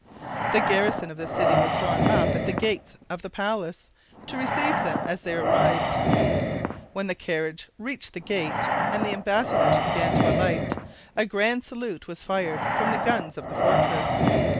The garrison of the city was drawn up at the gates of the palace, to receive them as they arrived. When the carriage reached the gate and the embassadors began to alight, a grand salute was fired from the guns of the fortress.